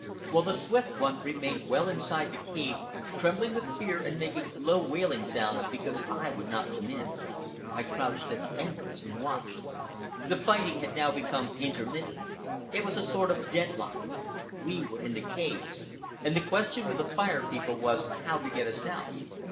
While the Swift One remained well inside the cave, trembling with fear and making low wailing sounds because I would not come in, I crouched at the entrance and watched. The fighting had now become intermittent. It was a sort of deadlock. We were in the caves, and the question with the Fire People was how to get us out.